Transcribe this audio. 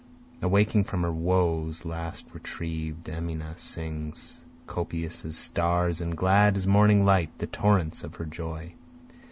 Awaking from her woes at last retriev'd Amina sings, Copious as stars and glad as morning light the torrents of her joy.